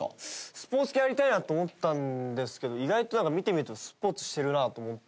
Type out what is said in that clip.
スポーツ系やりたいなと思ってたんですけど意外となんか見てみるとスポーツしてるなと思って。